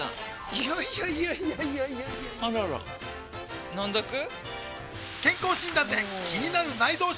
いやいやいやいやあらら飲んどく？